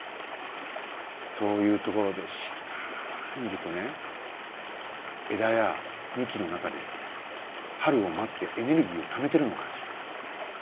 そういうところで静かにいるとね枝や幹の中で春を待ってエネルギーをためてるのを感じる。